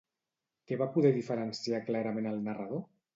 Què va poder diferenciar clarament el narrador?